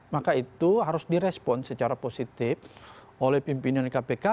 maka itu harus direspon secara positif oleh pimpinan kpk